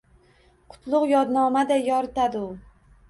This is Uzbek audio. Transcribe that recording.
Qutlug’ yodnomaday yoritadi u.